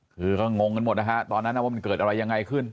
คือก็งงกันหมดนะฮะตอนนั้นว่ามันเกิดอะไรยังไงขึ้น